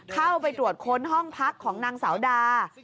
เข้าไปตรวจค้นห้องพักของนางสาวดา